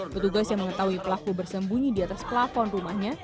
petugas yang mengetahui pelaku bersembunyi di atas plafon rumahnya